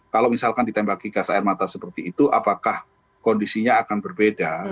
kalau misalkan ditembaki gas air mata seperti itu apakah kondisinya akan berbeda